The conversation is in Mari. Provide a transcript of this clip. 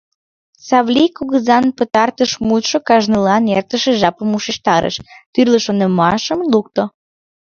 Савлий кугызан пытартыш мутшо кажнылан эртыше жапым ушештарыш, тӱрлӧ шонымашым лукто.